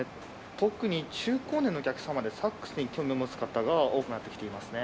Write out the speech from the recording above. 特に中高年のお客様でサックスに興味を持つ方が多くなってきていますね。